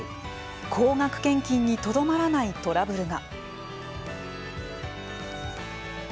高額献金にとどまらないトラブルが。